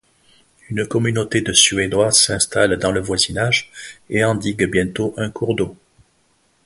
Une communauté de Suédois s’installe dans le voisinage et endigue bientôt un cours d’eau.